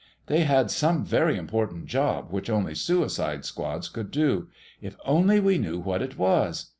They had some very important job which only suicide squads could do. If only we knew what it was...."